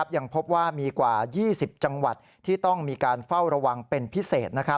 ยังพบว่ามีกว่า๒๐จังหวัดที่ต้องมีการเฝ้าระวังเป็นพิเศษ